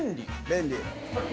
便利。